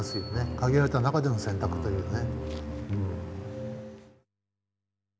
限られた中での選択というね。